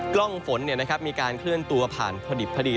กล้องฝนมีการเคลื่อนตัวผ่านพอดิบพอดี